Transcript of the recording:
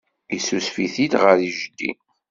Yessusef-it-id ɣer yejdi.